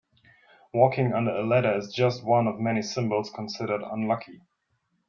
Walking under a ladder is just one of many symbols considered unlucky.